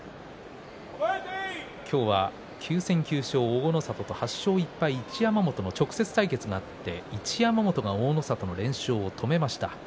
今日は９戦９勝、大の里が８勝１敗、一山本と直接対決があって一山本が大の里の連勝を止めました。